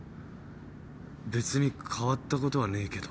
別に変わったことはねえけど。